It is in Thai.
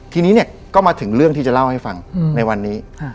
ทีนี้เนี่ยก็มาถึงเรื่องที่จะเล่าให้ฟังในวันนี้